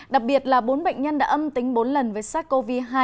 đặc biệt là bốn bệnh nhân đã âm tính bốn lần với sars cov hai